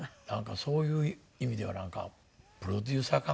そういう意味ではなんかプロデューサー感覚。